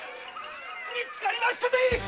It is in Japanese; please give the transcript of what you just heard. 見つかりましたぜ！